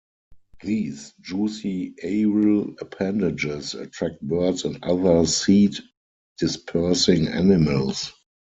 These juicy aril appendages attract birds and other seed dispersing animals.